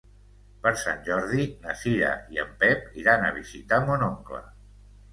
Per Sant Jordi na Cira i en Pep iran a visitar mon oncle.